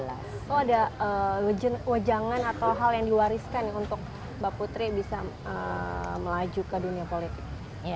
oh ada wajangan atau hal yang diwariskan untuk mbak putri bisa melaju ke dunia politik